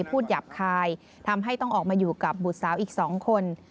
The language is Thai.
หยาบคายทำให้ต้องออกมาอยู่กับบุตรสาวอีก๒คน